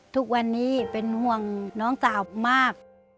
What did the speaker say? ทุกวันนี้เป็นห่วงน้องสาวมาก